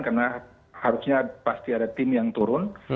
karena harusnya pasti ada tim yang turun